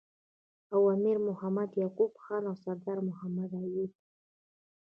او امیر محمد یعقوب خان او سردار محمد ایوب